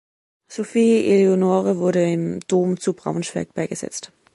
Sophie Eleonore wurde im Dom zu Braunschweig beigesetzt.